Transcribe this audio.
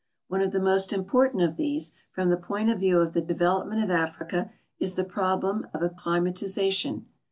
One of the most important of these, from the point of view of the develoi)ment of Africa, is the problem of accliniati/ation.